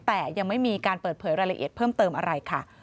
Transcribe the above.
แต่ยังไม่มีการเปิดเผยรายละเอียดเพิ่มเติมอะไรค่ะ